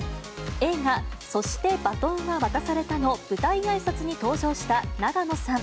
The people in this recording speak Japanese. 映画、そして、バトンは渡されたの舞台あいさつに登場した永野さん。